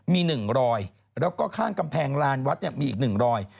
มี๑รอยแล้วก็ข้างกำแพงลานวัดมีอีก๑รอย